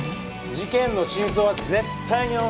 事件の真相は絶対にお前。